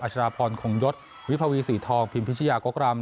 ชาดาพรคงยศวิภาวีสีทองพิมพิชยากกรำ